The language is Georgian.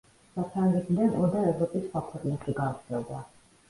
საფრანგეთიდან ოდა ევროპის სხვა ქვეყნებში გავრცელდა.